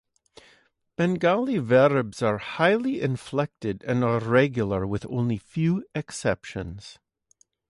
Bengali verbs are highly inflected and are regular with only few exceptions.